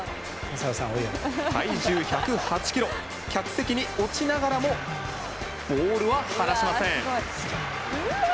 体重１０８ｋｇ客席に落ちながらもボールは離しません。